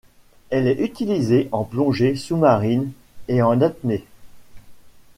Elle est utilisée en plongée sous-marine et en apnée.